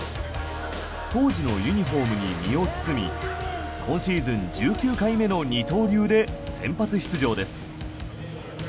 当時のユニホームに身を包み今シーズン１９回目の二刀流で先発出場です。